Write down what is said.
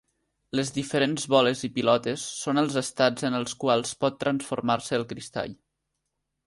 Les diferents boles i pilotes són els estats en els quals pot transformar-se el cristall.